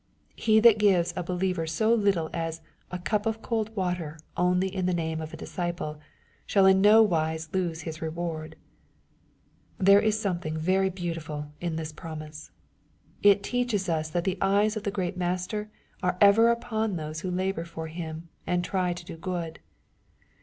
He that gives a believer so little as " a cup of cold water only in the name of a disciple shall in no wise lose his reward/' There is something very beautiful in this promise. It teaches us that the eyes of the great Master are ever upon those who labor for him, and try to do good.